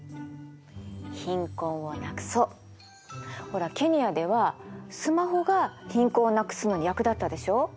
ほらケニアではスマホが貧困をなくすのに役立ったでしょう？